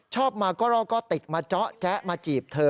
ชอบมาก็รอก้อติกมาเจาะแจ๊มาจีบเธอ